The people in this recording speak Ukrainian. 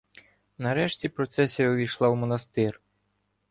Нарешті процесія увійшла в монастир.